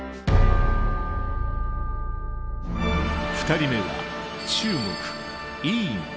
２人目は中国